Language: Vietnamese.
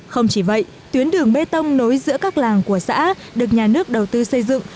không chỉ vậy tuyến đường bê tông nối giữa các làng của xã được nhà nước đầu tư xây dựng